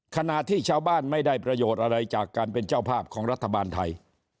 ขณะที่ชาวบ้านไม่ได้ประโยชน์อะไรจากการเป็นเจ้าภาพของรัฐบาลไทย